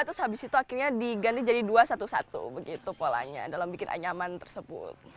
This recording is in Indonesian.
terus habis itu akhirnya diganti jadi dua satu satu begitu polanya dalam bikin anyaman tersebut